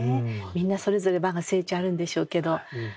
みんなそれぞれわが聖地あるんでしょうけど。